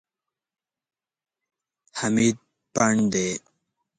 حمید پنډ دی.